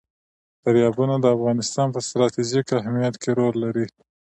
دریابونه د افغانستان په ستراتیژیک اهمیت کې رول لري.